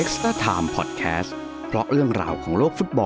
สวัสดีครับ